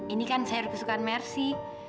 ini kan sayur kesukaan mersi